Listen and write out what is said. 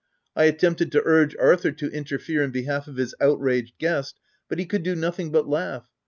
I attempted to urge Arthur to interfere in behalf of his outraged guest, but he could do nothing but laugh.